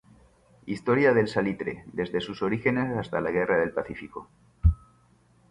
Historia del salitre, desde sus orígenes hasta la Guerra del Pacífico.